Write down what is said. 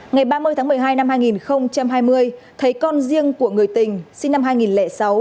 ngày ba mươi tháng một mươi hai năm hai nghìn hai mươi thấy con riêng của người tình sinh năm hai nghìn sáu